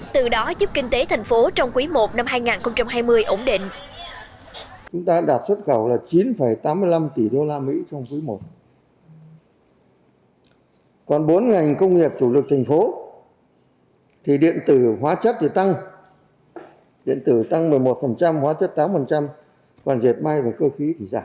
từ đó giúp kinh tế thành phố trong quý i năm hai nghìn hai mươi ổn định